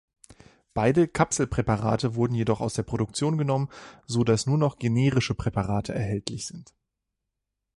Beide Kapselpräparate wurden jedoch aus der Produktion genommen, sodass nur noch generische Präparate erhältlich sind.